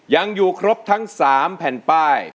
ยังอยู่ครบทั้ง๓แผ่นป้าย